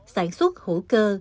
sản xuất hữu cơ